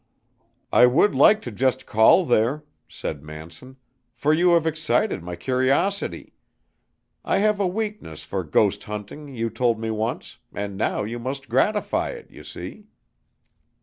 "I would like to just call there," said Manson, "for you have excited my curiosity. I have a weakness for ghost hunting, you told me once, and now you must gratify it, you see."